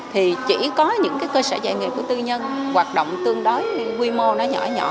thì chỉ có những cái cơ sở dạy nghề của tư nhân hoạt động tương đối quy mô nó nhỏ nhỏ